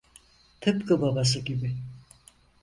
Tıpkı babası gibi.